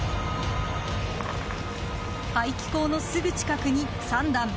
排気口のすぐ近くに３段。